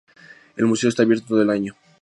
El museo está abierto todo el año.